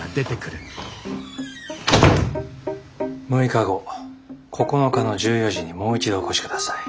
６日後９日の１４時にもう一度お越し下さい。